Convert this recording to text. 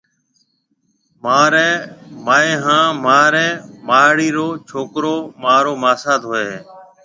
مهارِي ماهِي هانَ مهاريَ ماهڙيَ رو ڇوڪرو مهارو ماسات هوئيَ هيَ